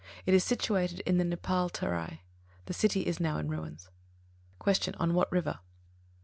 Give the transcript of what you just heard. It is situated in the Nepāl Terai. The city is now in ruins. 18. Q. _On what river?